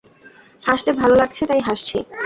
হাসতে ভালো লাগছে, তাই হাসছি।